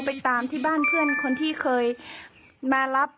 ไปตามที่บ้านเพื่อนคนที่เคยมารับ